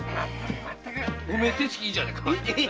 おめえ手つきいいじゃねえか！